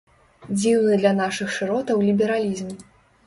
Дзіўны для нашых шыротаў лібералізм.